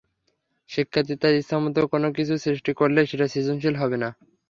শিক্ষার্থী তার ইচ্ছেমতো কোনো কিছু সৃষ্টি করলেই সেটা সৃজনশীল হবে না।